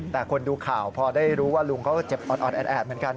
แต่คนดูข่าวพอได้รู้ว่าลุงเขาก็เจ็บออดแอดเหมือนกัน